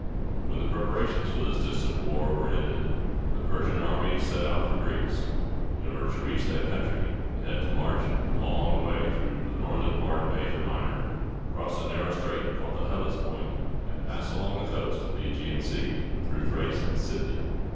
When the preparations for this distant war were ended, the Persian army set out for Greece. In order to reach that country, it had to march a long way through the northern part of Asia Minor, cross a narrow strait called the Hel´les pont, and pass along the coast of the Ægean Sea, through Thrace and Scyth´i a.